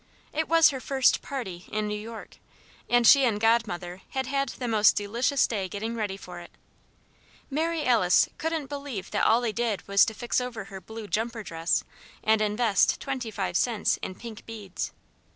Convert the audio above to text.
It was her first "party" in New York, and she and Godmother had had the most delicious day getting ready for it. Mary Alice couldn't really believe that all they did was to fix over her blue "jumper dress" and invest twenty five cents in pink beads.